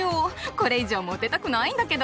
これ以上モテたくないんだけど！